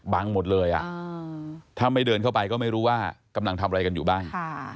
บังหมดเลยถ้าไม่เดินเข้าไปก็ไม่รู้ว่ากำลังทำอะไรกันอยู่บ้าง